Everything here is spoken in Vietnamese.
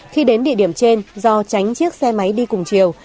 khi đến địa điểm trên do tránh chiếc xe máy đi cùng chiều